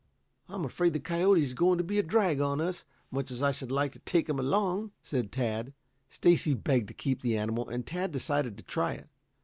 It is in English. "I'm afraid the coyote is going to be a drag on us, much as I should like to take him along," said Tad. Stacy begged to keep the animal, and Tad decided to try it.